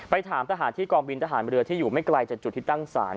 ถามทหารที่กองบินทหารเรือที่อยู่ไม่ไกลจากจุดที่ตั้งศาล